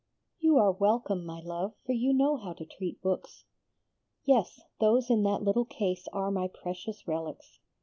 "You are welcome, my love, for you know how to treat books. Yes, those in that little case are my precious relics.